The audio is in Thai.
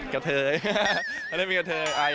กับเธอ